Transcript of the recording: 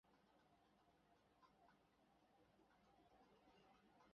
তিন ভাইবোনের মধ্যে তিনি সর্বকনিষ্ঠ।